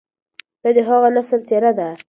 دا د هغه نسل څېره ده،